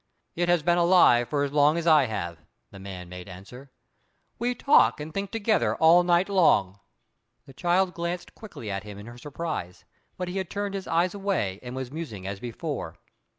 "It has been alive for as long as I have," the man made answer. "We talk and think together all night long." The child glanced quickly at him in her surprise, but he had turned his eyes away and was musing as before.